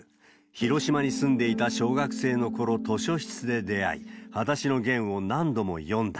広島に住んでいた小学生のころ、図書室で出会い、はだしのゲンを何度も読んだ。